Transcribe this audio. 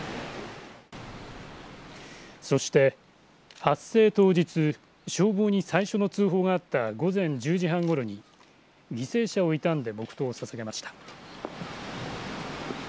そして発生当日消防に最初の通報があった午前１０時半ごろに犠牲者を悼んで黙とうをささげました。